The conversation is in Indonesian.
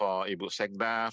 untuk ibu sekda